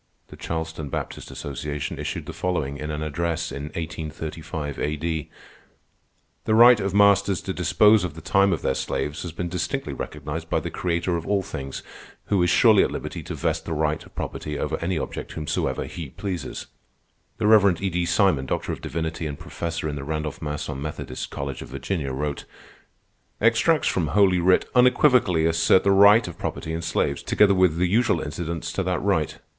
_" The Charleston Baptist Association issued the following, in an address, in 1835 A.D.: "_The right of masters to dispose of the time of their slaves has been distinctly recognized by the Creator of all things, who is surely at liberty to vest the right of property over any object whomsoever He pleases._" The Rev. E. D. Simon, Doctor of Divinity and professor in the Randolph Macon Methodist College of Virginia, wrote: "_Extracts from Holy Writ unequivocally assert the right of property in slaves, together with the usual incidents to that right.